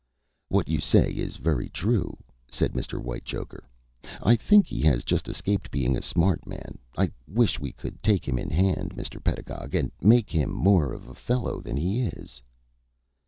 "What you say is very true," said Mr. Whitechoker. "I think he has just escaped being a smart man. I wish we could take him in hand, Mr. Pedagog, and make him more of a fellow than he is."